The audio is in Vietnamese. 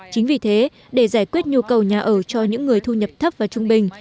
chính vì thế để giải quyết nhu cầu nhà ở cho những người thu nhập thấp và trung bình